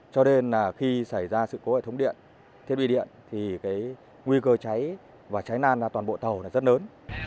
cho nên khi xảy ra sự cố hệ thống điện thiết bị điện thì nguy cơ cháy và cháy nan toàn bộ tàu rất lớn